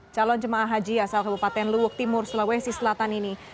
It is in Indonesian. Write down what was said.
calon jemaah haji asal kabupaten luwuk timur sulawesi selatan ini